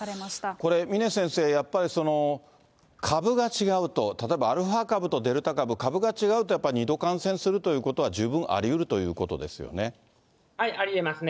これ、峰先生、やっぱり株が違うと、例えばアルファ株とデルタ株、株が違うと２度感染するということは十分ありうるということですありえますね。